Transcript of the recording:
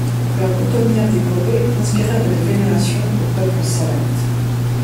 Leurs boutonnières décorées inspirèrent de la vénération au peuple en savates.